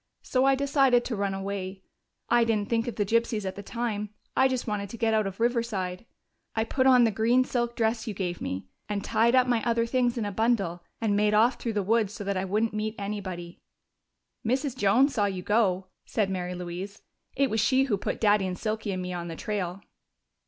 So I decided to run away. I didn't think of the gypsies at the time: I just wanted to get out of Riverside. I put on the green silk dress you gave me, and tied up my other things in a bundle, and made off through the woods so that I wouldn't meet anybody." "Mrs. Jones saw you go," said Mary Louise. "It was she who put Daddy and Silky and me on the trail."